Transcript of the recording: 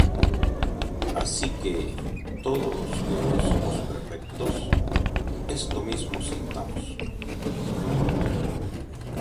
Así que, todos los que somos perfectos, esto mismo sintamos: